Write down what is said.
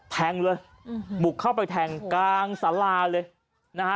แทงเลยอืมบุกเข้าไปแทงกลางสาราเลยนะฮะ